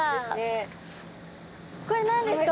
これ何ですか？